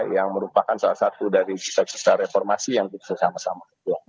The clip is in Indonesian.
yang merupakan salah satu dari cita cita reformasi yang kita sama sama